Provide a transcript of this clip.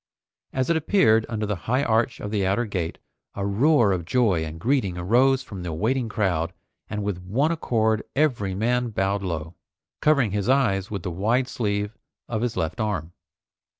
As it appeared under the high arch of the outer gate, a roar of joy and greeting arose from the waiting crowd and with one accord every man bowed low, covering his eyes with the wide sleeve of his left arm.